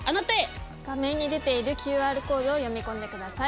画面に出ているＱＲコードを読み込んで下さい。